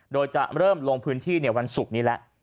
โดยจะเริ่มลงพื้นที่ในวันศุกร์นี้แล้ว